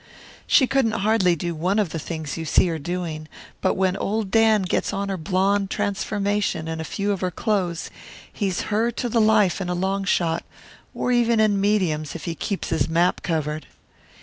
She couldn't hardly do one of the things you see her doing, but when old Dan gets on her blonde transformation and a few of her clothes, he's her to the life in a long shot, or even in mediums, if he keeps his map covered.